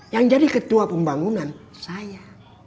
yang jadi ketua pembangunan saya